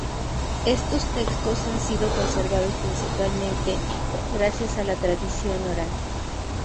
Estos textos han sido conservados principalmente gracias a la tradición oral.